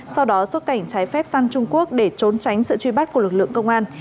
sau đó xuất cảnh trái phép sang trung quốc để trốn tránh sự truy bắt của lực lượng công an